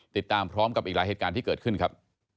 ติดตามพร้อมกับอีกหลายเหตุการณ์ที่เกิดขึ้นครับ